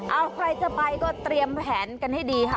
เอาใครจะไปก็เตรียมแผนกันให้ดีค่ะ